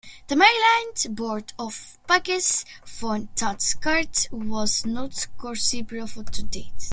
The Maryland Board of Physicians found that Carhart was not responsible for the death.